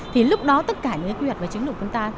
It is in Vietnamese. thì lúc đó tất cả những cái quy hoạch và chứng lực của chúng ta